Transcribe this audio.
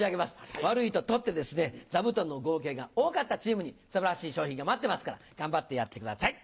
悪いと取って座布団の合計が多かったチームに素晴らしい賞品が待ってますから頑張ってやってください。